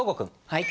はい。